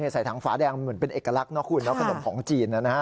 ใส่ทางฝาแดงเหมือนเป็นเอกลักษณ์ขนมของจีน